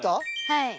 はい。